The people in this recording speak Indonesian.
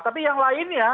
tapi yang lainnya